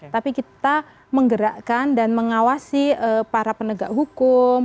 tapi kita menggerakkan dan mengawasi para penegak hukum